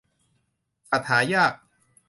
สัตว์หายาก